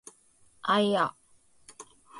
あいあ